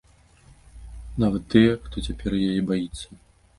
Нават тыя, хто цяпер яе баіцца.